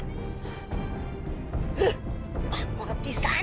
hah mau kepisan